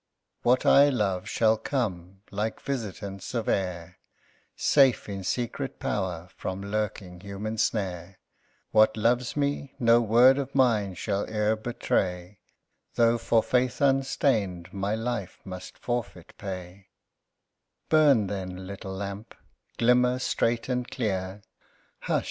What I love shall come like visitant of air, Safe in secret power from lurking human snare; What loves me, no word of mine shall e'er betray, Though for faith unstained my life must forfeit pay Burn, then, little lamp; glimmer straight and clear Hush!